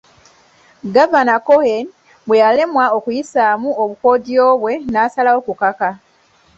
Gavana Cohen bweyalemwa okuyisaamu obukodyo bwe n'asalawo kukaka